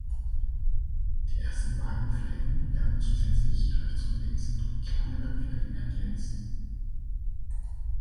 Die ersten beiden Flecken werden zusätzlich rechts und links durch kleinere Flecken ergänzt.